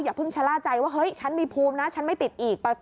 เพิ่งชะล่าใจว่าเฮ้ยฉันมีภูมินะฉันไม่ติดอีก